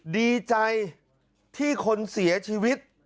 ดีใจที่คนเสียชีวิต